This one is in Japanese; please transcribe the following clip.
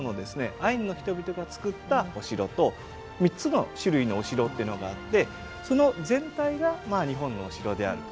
アイヌの人々が造ったお城と３つの種類のお城っていうのがあってその全体が日本のお城であると。